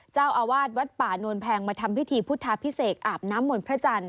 เจ้าอวาสวัดป่านวนแพงมาทำพิธีพุทธภิเษกอาบน้ำหม่นพระจันทร์